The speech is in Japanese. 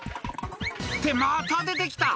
「ってまた出て来た！